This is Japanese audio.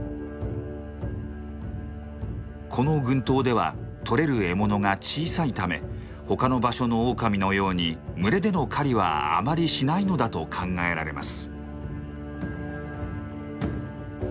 この群島では捕れる獲物が小さいため他の場所のオオカミのように群れでの狩りはあまりしないのだと考えられます。